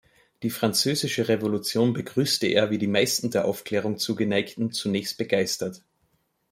Die Französische Revolution begrüßte er wie die meisten der Aufklärung Zugeneigten zunächst begeistert.